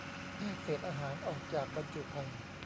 - แยกเศษอาหารออกจากบรรจุภัณฑ์